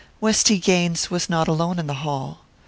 Westy Gaines was not alone in the hall.